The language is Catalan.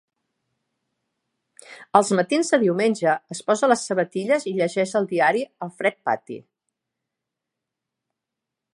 Els matins de diumenge, es posa les sabatilles i llegeix el diari al fred pati.